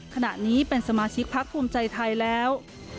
ขณะนี้เป็นสมาชิกพักภูมิใจไทยแล้ว